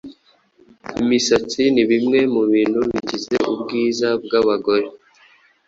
Imisatsi ni bimwe mu bintu bigize ubwiza bw’abagore,